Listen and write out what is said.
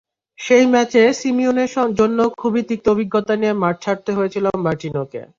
সেই ম্যাচে সিমিওনের জন্য খুবই তিক্ত অভিজ্ঞতা নিয়ে মাঠ ছাড়তে হয়েছিল মার্টিনোকে।